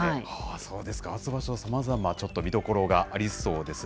そうですか、初場所は、ちょっと見どころがありそうですね。